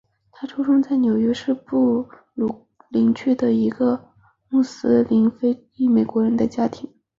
他出生在纽约市布鲁克林区的一个穆斯林非洲裔美国人的家庭里。